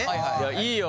いいよ！